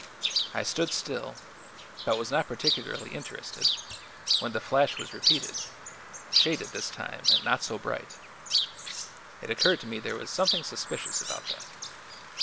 I stood still, but was not particularly interested, when the flash was repeated, shaded this time and not so bright. It occurred to me there was something suspicious about that.